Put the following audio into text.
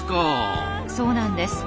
そうなんです。